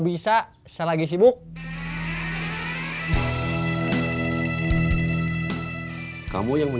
aku ingin lihat gambarnya lawsuits atau truktheat's gemacht